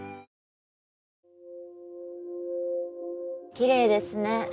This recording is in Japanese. きれいですね。